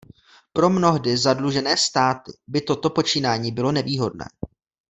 Pro mnohdy zadlužené státy by toto počínání bylo nevýhodné.